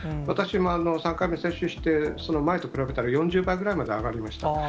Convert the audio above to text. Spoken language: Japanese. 私も３回目接種して、その前と比べたら、４０倍ぐらいまで上がりました。